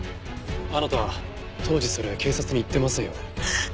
あなた当時それを警察に言ってませんよね？